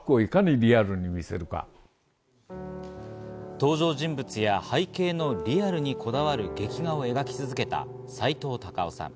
登場人物や背景のリアルにこだわる劇画を描き続けた、さいとう・たかをさん。